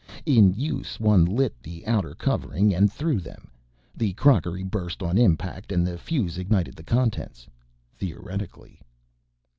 In use one lit the outer covering and threw them. The crockery burst on impact and the fuse ignited the contents. Theoretically.